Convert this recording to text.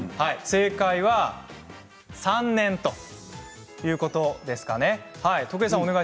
正解は３年ということですかね。